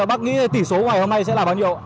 bác nghĩ tỷ số ngày hôm nay sẽ là bao nhiêu